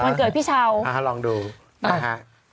วันเกิดพี่เช้าอ่าลองดูได้ค่ะ